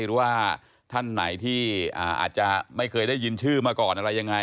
หรือว่าท่านไหนที่อาจจะไม่เคยได้ยินชื่อมาก่อนอะไรยังไง